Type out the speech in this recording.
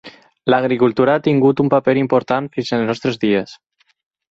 L'agricultura ha tingut un paper important fins als nostres dies.